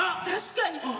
確かに。